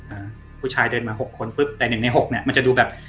อ่าผู้ชายเดินมา๖คนปุ๊บแต่๑ใน๖เนี่ยมันจะดูแบบ